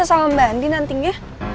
kalau mbak andi nantingnya